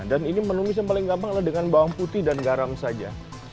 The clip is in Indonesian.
dan ini menumisnya paling gampang adalah dengan bawang putih dan garam saja